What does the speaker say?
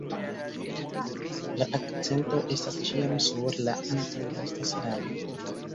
La akcento estas ĉiam sur la antaŭlasta silabo.